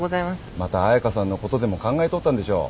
また彩佳さんのことでも考えとったんでしょう。